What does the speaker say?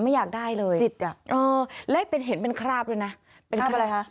ไม่อยากได้เลยเออและเป็นเห็นเป็นคราบด้วยนะคราบอะไรคะ